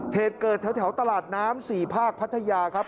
เหตุเกิดแถวตลาดน้ำ๔ภาคพัทยาครับ